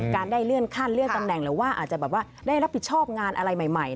การได้เลื่อนขั้นเลื่อนตำแหน่งหรือว่าอาจจะแบบว่าได้รับผิดชอบงานอะไรใหม่